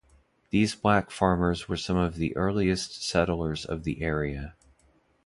These black farmers were some of the earliest settlers of the area.